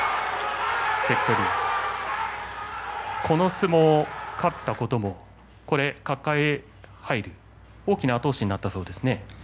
関取、この相撲に勝ったことも角界入り大きな後押しになったそうですね。